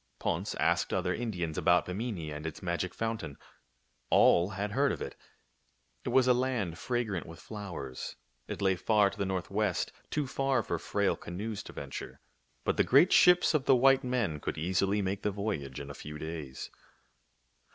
Ponce asked other Indians about Bimini and its magic fountain. All had heard of it. It was a land fragrant with flowers. It lay far to the northwest — too far for frail canoes to venture. But the great ships of the white men could easily make the voyage in a few days.